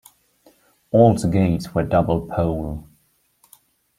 All the gates were double-pole.